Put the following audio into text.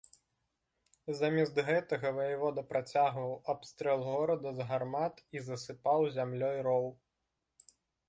Замест гэтага ваявода працягваў абстрэл горада з гармат і засыпаў зямлёй роў.